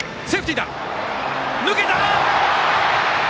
抜けた！